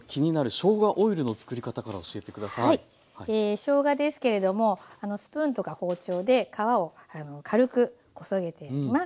しょうがですけれどもスプーンとか包丁で皮を軽くこそげていきます。